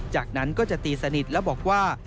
จากนั้นก็จะตีสนิทและบอกว่า